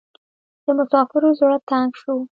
د مسافر زړه تنګ شو .